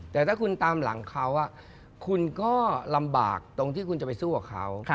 แต่ถ้าคุณตามหลังเขาคุณก็ลำบากตรงที่คุณจะไปสู้กับเขา